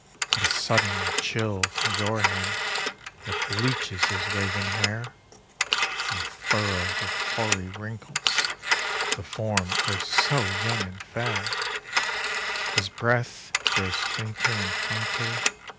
But a sudden chill comes o'er him That bleaches his raven hair, And furrows with hoary wrinkles The form erst so young and fair. His breath grows fainter and fainter.